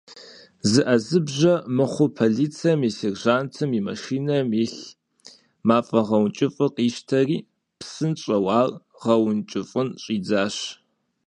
ЗыӀэзыбжьэ мыхъуу, полицэм и сержантым и машинэм илъ мафӀэгъэункӀыфӀыр къищтэри, псынщӀэу ар гъэункӀыфӀын щӀидзащ.